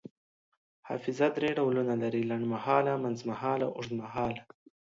حافظه دری ډولونه لري: لنډمهاله، منځمهاله او اوږدمهاله